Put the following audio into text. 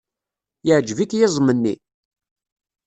Yeɛjeb-ik yiẓem-nni?